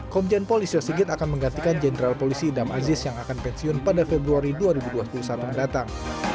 komjen polisi sigit akan menggantikan jenderal polisi idam aziz yang akan pensiun pada februari dua ribu dua puluh satu mendatang